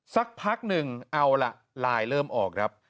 สักพักหนึ่งเอาล่ะไลน์เริ่มออกครับ